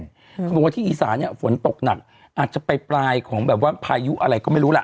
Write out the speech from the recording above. เขาบอกว่าที่อีสาเนี่ยฝนตกหนักอาจจะไปปลายของแบบว่าพายุอะไรก็ไม่รู้ล่ะ